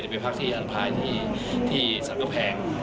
ไปพักที่อันไพรที่สรรคแผง